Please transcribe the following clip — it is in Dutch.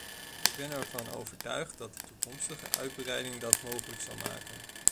Ik ben ervan overtuigd dat de toekomstige uitbreiding dat mogelijk zal maken.